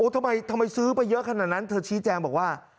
ทำไมซื้อไปเยอะขนาดนั้นเธอชี้แจงบอกว่า